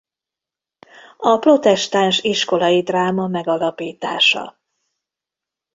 A protestáns iskolai dráma megalapítása.